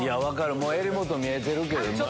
もう襟元見えてるけど